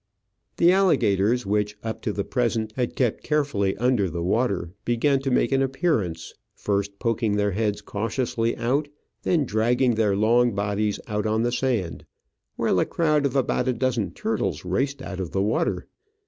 The alligators, which, up to the present, had kept carefully under the water, began to make an appearance, first poking their heads cautiously out, and then dragging their long bodies out on the sand, while a crowd of about a dozen turtles raced out of the water.